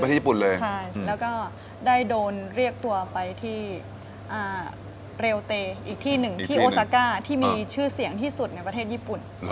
ที่ญี่ปุ่นเลยใช่แล้วก็ได้โดนเรียกตัวไปที่เรลเตย์อีกที่หนึ่งที่โอซาก้าที่มีชื่อเสียงที่สุดในประเทศญี่ปุ่น